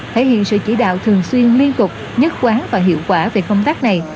thể hiện sự chỉ đạo thường xuyên liên tục nhất quán và hiệu quả về công tác này